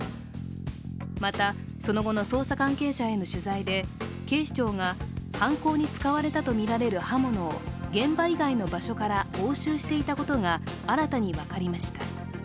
また、その後の捜査関係者への取材で警視庁が犯行に使われたとみられる刃物を現場以外の場所から押収していたことが新たに分かりました。